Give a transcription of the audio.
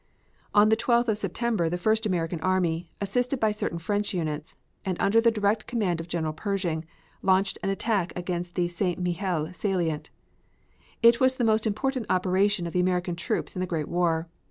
On the 12th of September, the first American army, assisted by certain French units, and under the direct command of General Pershing, launched an attack against the St. Mihiel salient. This was the most important operation of the American troops in the Great War.